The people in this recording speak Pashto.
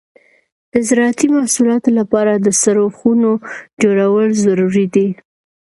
د زراعتي محصولاتو لپاره د سړو خونو جوړول ضروري دي.